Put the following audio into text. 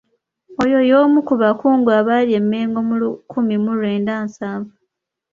Oyo y'omu ku bakungu abaali e Mengo mu lukumi mu lwenda nsanvu.